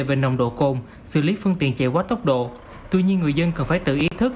về nồng độ cồn xử lý phương tiện chạy quá tốc độ tuy nhiên người dân cần phải tự ý thức